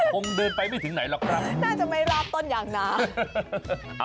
คงเดินไปไม่ถึงไหนหรอกครับน่าจะไม่รอบต้นยางนา